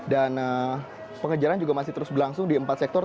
pengejaran juga masih terus berlangsung di empat sektor